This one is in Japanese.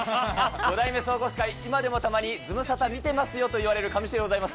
５代目総合司会、今でもたまにズムサタ見てますよと言われる、上重聡でございます。